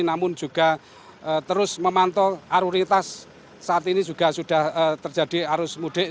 namun juga terus memantau arus saat ini juga sudah terjadi arus mudik